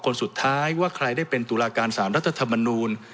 คนสุดท้ายว่าใครได้เป็นตุลาการสารรัฐธรรมนูล